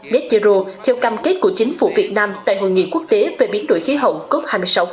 gat zero theo cam kết của chính phủ việt nam tại hội nghị quốc tế về biến đổi khí hậu cop hai mươi sáu